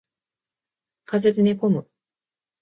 風邪で寝込む